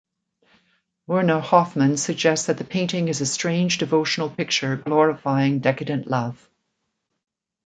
Werner Hofmann suggests that the painting is a strange devotional picture glorifying decadent love.